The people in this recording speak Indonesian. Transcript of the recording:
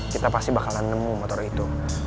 kita pasti bakalan nemu motor itu